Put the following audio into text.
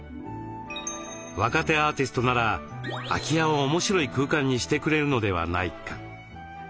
若手アーティストなら空き家を面白い空間にしてくれるのではないか。